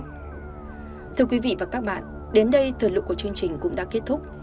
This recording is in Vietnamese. thưa quý vị và các bạn đến đây thời lượng của chương trình cũng đã kết thúc